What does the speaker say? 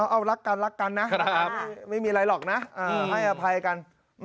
เอาลักกันนะไม่มีไรหรอกนะให้อภัยกัน